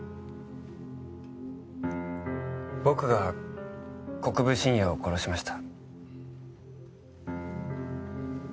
僕が国分信也を殺しました。